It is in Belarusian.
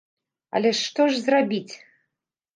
Але што ж зрабіць?